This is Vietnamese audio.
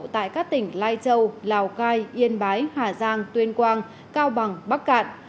tại các tỉnh lai châu lào cai yên bái hà giang tuyên quang cao bằng bắc cạn